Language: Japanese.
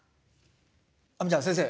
亜美ちゃん先生